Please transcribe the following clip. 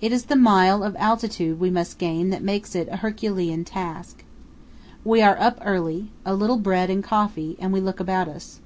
It is the mile of altitude we must gain that makes it a Herculean task. We are up early; a little bread and coffee, and we look about us.